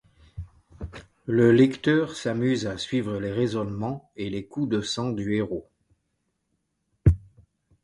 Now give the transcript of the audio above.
Le lecteur s’amuse à suivre les raisonnements et les coups de sang du héros.